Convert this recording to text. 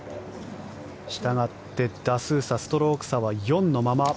したがって打数差、ストローク差は４のまま。